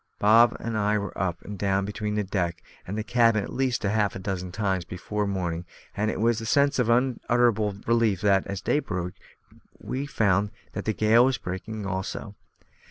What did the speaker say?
Bob and I were up and down between the deck and the cabin at least half a dozen times before morning, and it was with a sense of unutterable relief that, as day broke, we found that the gale was breaking also.